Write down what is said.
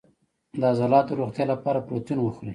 د عضلاتو د روغتیا لپاره پروتین وخورئ